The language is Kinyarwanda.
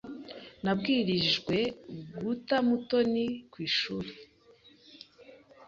Nabwirijwe guta Mutoni ku ishuri.